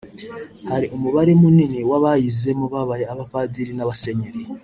Hari umubare munini w’abayizemo babaye abapadiri n’abasenyeri